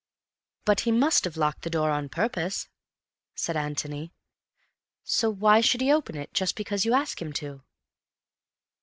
"But he must have locked the door on purpose," said Antony. "So why should he open it just because you ask him to?"